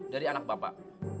dari anak bapak